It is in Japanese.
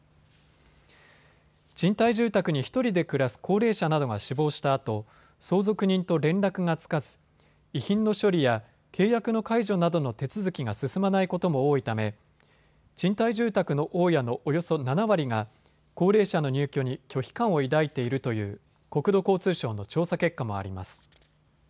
賃貸住宅に１人で暮らす高齢者などが死亡したあと相続人と連絡がつかず遺品の処理や契約の解除などの手続きが進まないことも多いため賃貸住宅の大家のおよそ７割が高齢者の入居に拒否感を抱いているという国土交通省の調査結果もあります。